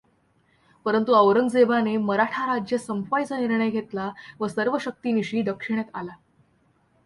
परंतु औरंगजेबने मराठा राज्य संपवायचा निर्णय घेतला व सर्वशक्तीनीशी दक्षिणेत आला.